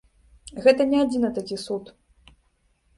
Гэта не адзіны такі суд.